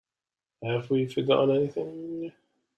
Have we forgotten anything?